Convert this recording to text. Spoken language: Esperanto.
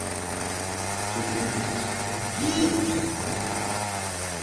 Li mortis pro koratako.